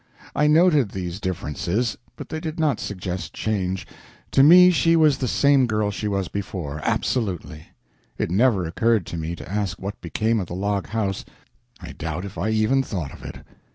I noted these differences, but they did not suggest change; to me she was the same girl she was before, absolutely. It never occurred to me to ask what became of the log house; I doubt if I even thought of it.